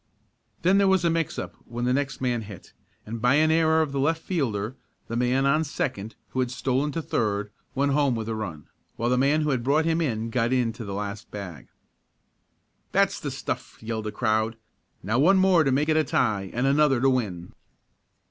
Then there was a mix up when the next man hit, and by an error of the left fielder the man on second, who had stolen to third, went home with a run, while the man who had brought him in got to the last bag. "That's the stuff!" yelled the crowd. "Now one more to make it a tie and another to win!"